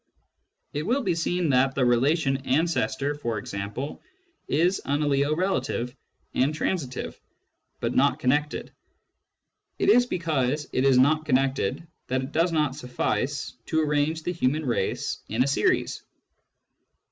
It will be seen that the relation " ancestor," for example, is an aliorelative and transitive, but not connected ; it is because it is not connected that it does not suffice to arrange the human race in a series.